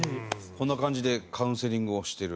こんな感じでカウンセリングをしてる。